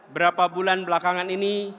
berapa bulan belakangan ini